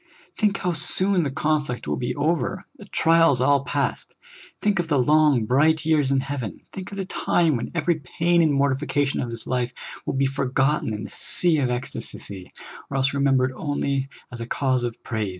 Think how soon the conflict will be over, the trials all past ! think of the long, bright years in heaven ! think of the time when every pain and mor tification of this life will be forgotten in the sea of ecstacy, or else remembered onl}^ as a cause of praise